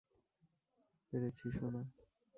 পেরেছি, সোনা।